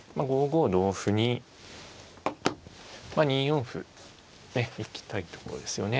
５五同歩に２四歩行きたいところですよね。